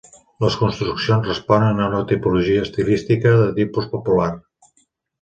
Les construccions responen a una tipologia estilística de tipus popular.